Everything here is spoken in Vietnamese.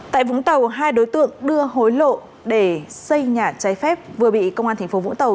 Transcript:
tại vũng tàu hai đối tượng đưa hối lộ để xây nhà trái phép vừa bị công an tp vũng tàu